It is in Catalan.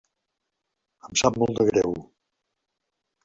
Em sap molt de greu.